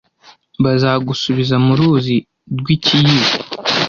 Bazagusubiza mu ruzi rw'ikiyiko.